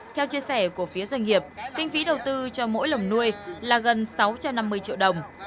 theo chia sẻ của phía doanh nghiệp kinh phí đầu tư cho mỗi lồng nuôi là gần sáu trăm năm mươi triệu đồng